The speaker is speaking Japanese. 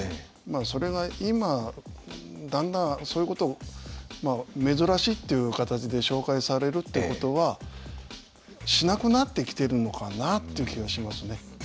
それが今だんだんそういう事を珍しいっていう形で紹介されるって事はしなくなってきてるのかなという気がしますね。